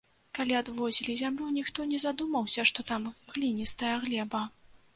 Калі адводзілі зямлю, ніхто не задумаўся, што там гліністая глеба.